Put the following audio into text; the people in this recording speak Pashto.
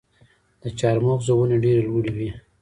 د چهارمغز ونې ډیرې لوړې وي.